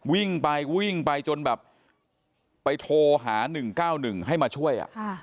วิ่งไปวิ่งไปจนแบบไปโทรหา๑๙๑ให้มาช่วย